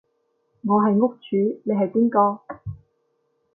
我係屋主你係邊個？